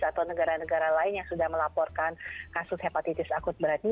atau negara negara lain yang sudah melaporkan kasus hepatitis akut beratnya